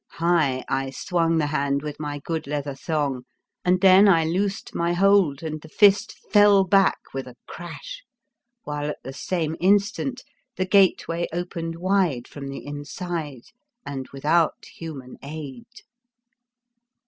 High I swung the hand with my good leather thong, and then I loosed my hold and the fist fell back with a crash, while, at the same instant, the gateway opened wide from the inside, and with out human aid.